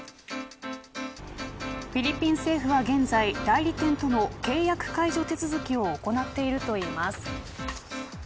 フィリピン政府は現在代理店との契約解除手続きを行っているといいます。